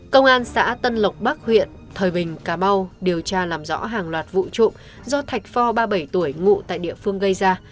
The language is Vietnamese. công an xã tân lộc bắc huyện thời bình cà mau điều tra làm rõ hàng loạt vụ trộm do thạch phò ba mươi bảy tuổi ngụ tại địa phương gây ra